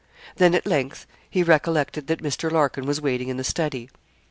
Then, at length, he recollected that Mr. Larkin was waiting in the study.